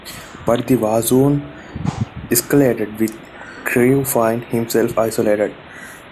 But the war soon escalated with Crewe finding himself isolated.